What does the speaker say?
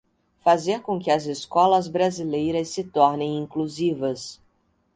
fazer com que as escolas brasileiras se tornem inclusivas